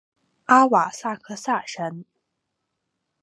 阿瓦萨克萨山。